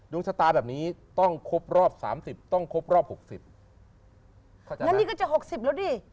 ชะตาแบบนี้ต้องครบรอบสามสิบต้องครบรอบหกสิบงั้นนี่ก็จะหกสิบแล้วดิ